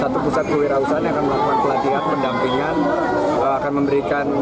satu pusat kewirausahaan yang akan melakukan pelatihan pendampingan akan memberikan